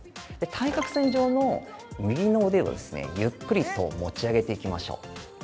対角線上の右の腕をゆっくりと持ち上げていきましょう。